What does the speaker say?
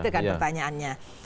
itu kan pertanyaannya